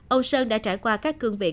ông sơn đã trải qua các cương vị khó khăn